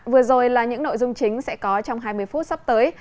vừa rồi là những nội dung chính sẽ có trong hai mươi phút sắp tới